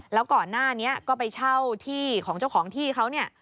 แล้วก่อนหน้านี้ก็ไปเช่าที่ของเจ้าของที่เขาเนี่ย